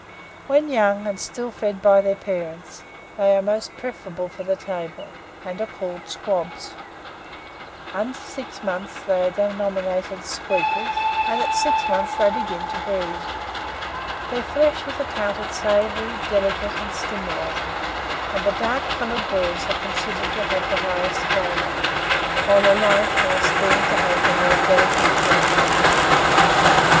When young, and still fed by their parents, they are most preferable for the table, and are called squabs; under six months they are denominated squeakers, and at six months they begin to breed. Their flesh is accounted savoury, delicate, and stimulating, and the dark coloured birds are considered to have the highest flavour, whilst the light are esteemed to have the more delicate flesh.